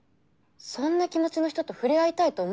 そんな気持ちの人と触れ合いたいと思える？